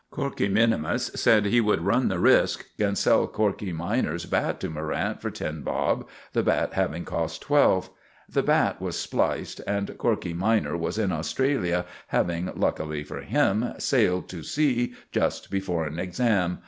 Corkey minimus said he would run the risk and sell Corkey minor's bat to Morrant for ten bob, the bat having cost twelve. The bat was spliced and Corkey minor was in Australia, having, luckily for him, sailed to sea just before an exam.